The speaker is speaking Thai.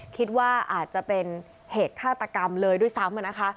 คิดว่าอาจจะเป็นเหตุฆาตกรรมเลยด้วยซ้ำนะคะ